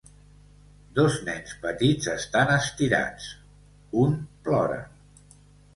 Dos nens petits estan estirats, un plora.